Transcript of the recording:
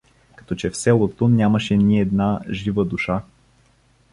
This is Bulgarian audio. Като че в селото нямаше ни една жива душа.